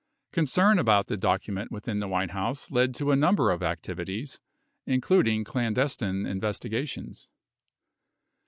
Con cern about the document within the White House led to a number of activities, including clandestine investigations.